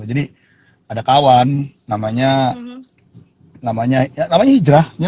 jadi ada kawan namanya hijrah